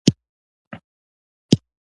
فعلي ترکیب په جمله کښي د فعل دنده ترسره کوي.